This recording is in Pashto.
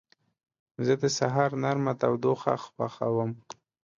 زه د سهار نرمه تودوخه خوښوم.